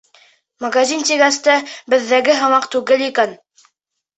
Магазин тигәс тә, беҙҙәге һымаҡ түгел икән.